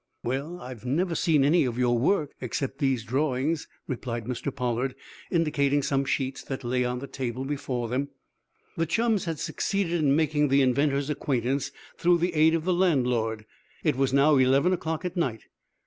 "Well, I've never seen any of your work except these drawings," replied Mr. Pollard, indicating some sheets that lay on the table before them. The chums had succeeded in making the inventor's acquaintance through the aid of the landlord. It was now eleven o'clock at night.